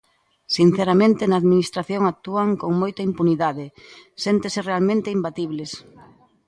Sinceramente, na Administración actúan con moita impunidade, séntense realmente imbatibles.